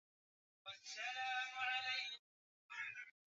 Jacob aliwaua watu wale hawakuwa wamejiandaa lakini bado alikuwa na hofu